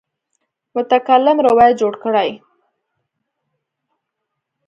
متکلم روایت جوړ کړی.